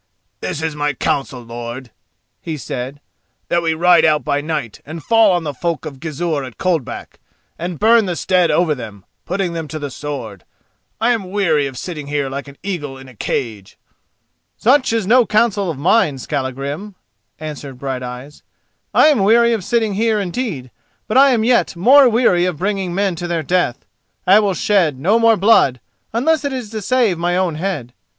"This is my counsel, lord," he said, "that we ride out by night and fall on the folk of Gizur at Coldback, and burn the stead over them, putting them to the sword. I am weary of sitting here like an eagle in a cage." "Such is no counsel of mine, Skallagrim," answered Brighteyes. "I am weary of sitting here, indeed; but I am yet more weary of bringing men to their death. I will shed no more blood, unless it is to save my own head.